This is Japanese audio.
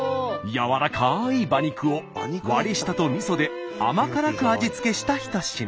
やわらかい馬肉をわりしたとみそで甘辛く味付けした一品。